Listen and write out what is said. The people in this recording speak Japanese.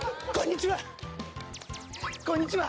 こんにちは！